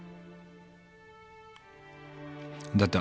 だって